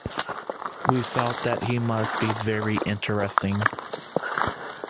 We felt that he must be very interesting.